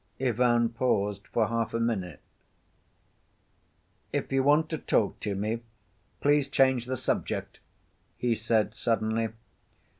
Ivan paused for half a minute. "If you want to talk to me, please change the subject," he said suddenly.